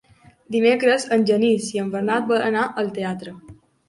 Dimecres en Genís i en Bernat volen anar al teatre.